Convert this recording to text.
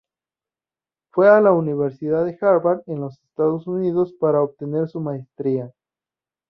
Fue a la Universidad de Harvard en los Estados Unidos para obtener su maestría.